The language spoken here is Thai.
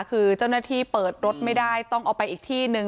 คือเจ้าหน้าที่เปิดรถไม่ได้ต้องเอาไปอีกที่หนึ่ง